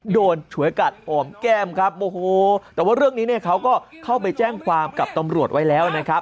ฉวยกัดอ่อมแก้มครับโอ้โหแต่ว่าเรื่องนี้เนี่ยเขาก็เข้าไปแจ้งความกับตำรวจไว้แล้วนะครับ